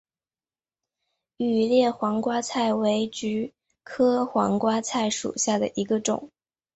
羽裂黄瓜菜为菊科黄瓜菜属下的一个种。